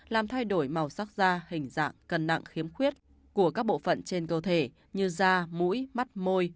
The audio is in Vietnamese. làm thay đổi màu sắc da hình dạng cần nặng khiếm khuyết của các bộ phận trên cơ thể như da mũi mắt môi